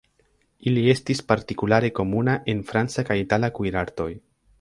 Ili estas partikulare komuna en franca kaj itala kuirartoj.